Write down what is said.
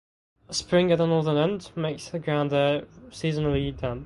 A spring at the northern end makes the ground there seasonally damp.